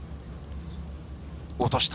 落とした。